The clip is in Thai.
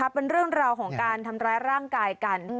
เป็นเรื่องราวของการทำร้ายร่างกายกัน